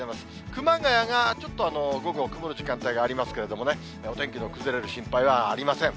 熊谷がちょっと午後、曇る時間帯がありますけども、お天気の崩れる心配はありません。